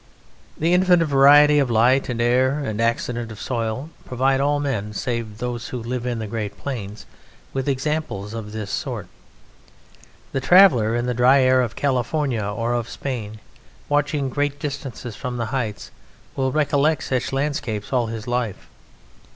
The infinite variety of light and air and accident of soil provide all men save those who live in the great plains with examples of this sort. The traveller in the dry air of California or of Spain, watching great distances from the heights, will recollect such landscapes all his life.